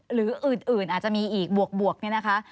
หรืออื่นอาจจะมีอีกบวกเนี่ยนะคะ